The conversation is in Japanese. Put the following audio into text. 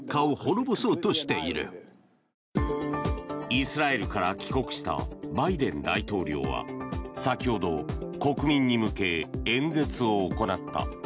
イスラエルから帰国したバイデン大統領は先ほど、国民に向け演説を行った。